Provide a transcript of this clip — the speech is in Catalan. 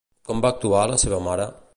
Com va actuar la seva mare?